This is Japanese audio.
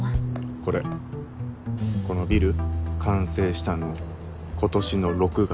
これこのビル完成したの今年の６月。